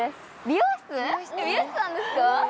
美容室さんですか？